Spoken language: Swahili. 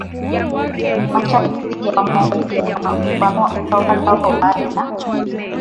Mashariki dhidi ya Wamongolia na kupanua utawala wao Baada ya